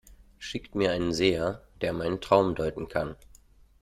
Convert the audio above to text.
Schickt mir einen Seher, der meinen Traum deuten kann!